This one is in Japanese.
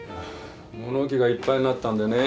物置がいっぱいになったんでね